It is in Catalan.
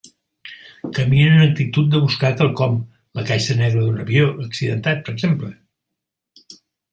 Caminen en actitud de buscar quelcom, la caixa negra d'un avió accidentat, per exemple.